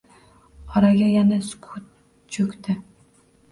Oraga yana sukut cho`kdi